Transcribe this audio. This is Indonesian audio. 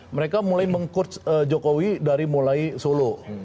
mereka mulai meng coach jokowi dari mulai solo